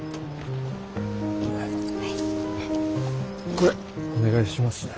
これお願いしますね。